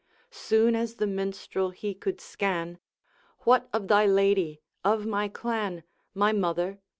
Soon as the Minstrel he could scan, 'What of thy lady? of my clan? My mother?